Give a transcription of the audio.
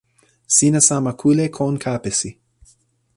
sina sama kule kon kapesi.